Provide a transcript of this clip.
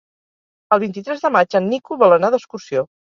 El vint-i-tres de maig en Nico vol anar d'excursió.